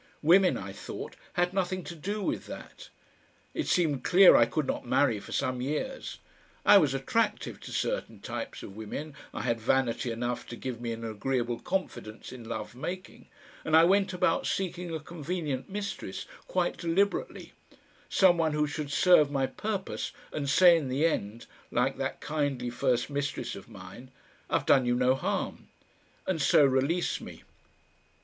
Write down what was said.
Women, I thought, had nothing to do with that. It seemed clear I could not marry for some years; I was attractive to certain types of women, I had vanity enough to give me an agreeable confidence in love making, and I went about seeking a convenient mistress quite deliberately, some one who should serve my purpose and say in the end, like that kindly first mistress of mine, "I've done you no harm," and so release me.